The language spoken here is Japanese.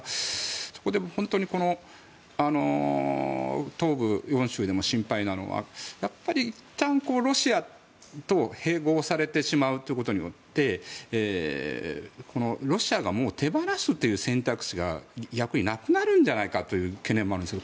そこで本当に東部４州でも心配なのはいったんロシアと併合されてしまうことによってロシアが手放すという選択肢が逆になくなるのではという懸念もあるんです。